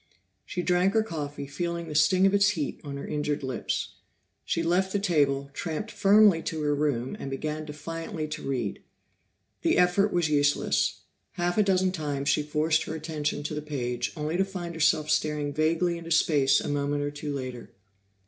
She drank her coffee, feeling the sting of its heat on her injured lips. She left the table, tramped firmly to her room, and began defiantly to read. The effort was useless; half a dozen times she forced her attention to the page only to find herself staring vaguely into space a moment or two later.